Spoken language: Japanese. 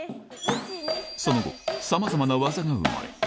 その後さまざまな技が生まれ